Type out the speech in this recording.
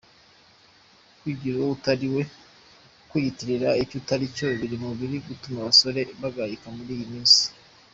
Kwigira uwo utariwe , kwiyitirira icyo utaricyo biri mubiri gutuma abasore bagayika muri iyi minsi.